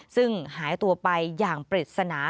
ซึ่งหายตัวไปอย่างปริศนา